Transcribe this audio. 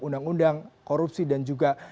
undang undang korupsi dan juga